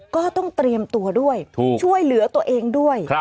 ก็ต้องเตรียมตัวด้วยช่วยเหลือตัวเองด้วย